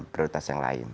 prioritas yang lain